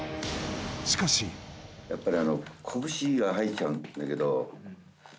やっぱり。